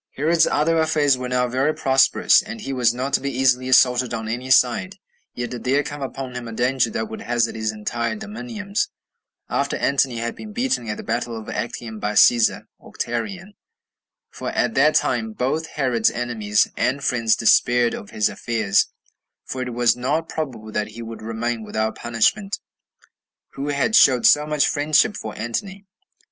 1. Herod's other affairs were now very prosperous, and he was not to be easily assaulted on any side. Yet did there come upon him a danger that would hazard his entire dominions, after Antony had been beaten at the battle of Actium by Cæsar [Octavian]; for at that time both Herod's enemies and friends despaired of his affairs, for it was not probable that he would remain without punishment, who had showed so much friendship for Antony.